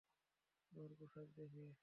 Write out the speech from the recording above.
তোমার পোশাক দেখে।